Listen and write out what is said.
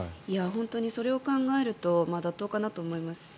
本当に、それを考えると妥当かなと思います。